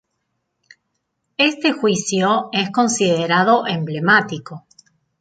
Este juicio es considerado emblemático,